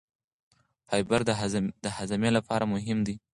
فایبر د هاضمې لپاره مهم دی.